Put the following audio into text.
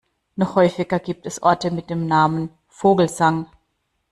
Noch häufiger gibt es Orte mit dem Namen Vogelsang.